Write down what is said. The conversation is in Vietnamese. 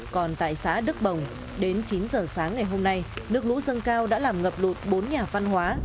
còn tại xã đức bồng đến chín giờ sáng ngày hôm nay nước lũ dâng cao đã làm ngập lụt bốn nhà văn hóa